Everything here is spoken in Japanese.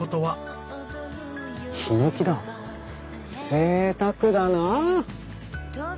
ぜいたくだなあ。